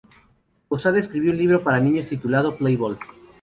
Posada escribió un libro para niños titulado "Play Ball!